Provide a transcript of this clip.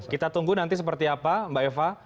kita tunggu nanti seperti apa mbak eva